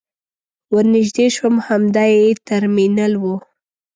ور نژدې شوم همدا يې ترمینل و.